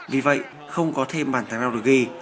vì vậy không có thêm bản thắng nào được ghi